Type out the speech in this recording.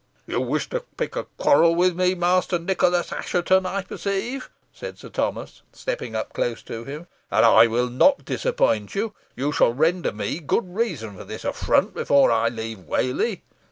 "You wish to pick a quarrel with me, Master Nicholas Assheton, I perceive," said Sir Thomas, stepping close up to him, "and I will not disappoint you. You shall render me good reason for this affront before I leave Whalley."